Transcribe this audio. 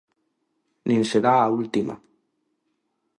Nin será a última.